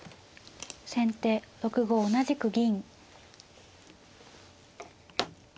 先手６五同じく銀。